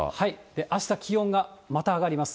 あした気温がまた上がります。